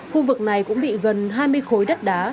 khu vực này cũng bị gần hai mươi khối đất đá